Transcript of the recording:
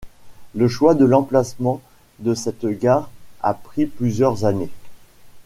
Le choix de l'emplacement de cette gare a pris plusieurs années.